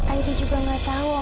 aida juga enggak tahu mama